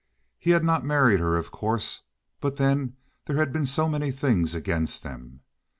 He had not married her, of course, but then there had been so many things against them.